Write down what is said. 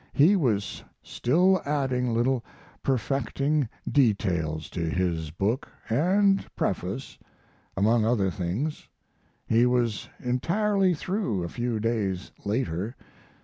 He was still adding little perfecting details to his book, and preface, among other things. He was entirely through a few days later.